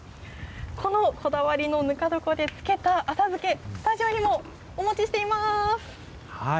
このこだわりのぬか床で漬けた浅漬け、スタジオにもお持ちしています。